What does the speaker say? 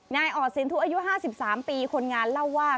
ออดสินทุอายุ๕๓ปีคนงานเล่าว่า